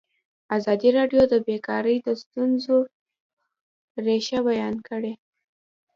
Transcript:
ازادي راډیو د بیکاري د ستونزو رېښه بیان کړې.